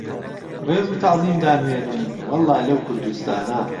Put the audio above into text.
ڕێز و تەعزیم دانوێنم وەڵڵا لەو کوردوستانە